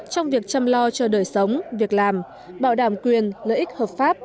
trong việc chăm lo cho đời sống việc làm bảo đảm quyền lợi ích hợp pháp